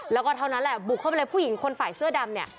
แล้วก็เท่านั้นแหละบุกเข้าไปเลยผู้หญิงคนฝ่ายเสื้อดำเนี่ย